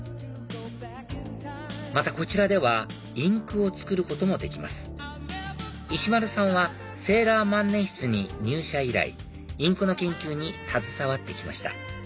またこちらではインクを作ることもできます石丸さんはセーラー万年筆に入社以来インクの研究に携わって来ました